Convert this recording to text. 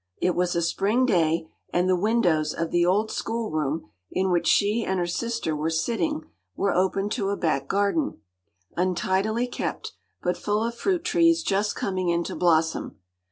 It was a spring day, and the windows of the old schoolroom in which she and her sister were sitting were open to a back garden, untidily kept, but full of fruit trees just coming into blossom.